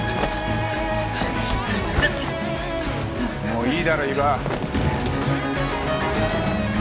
もういいだろ伊庭。